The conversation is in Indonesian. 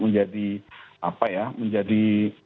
menjadi apa ya menjadi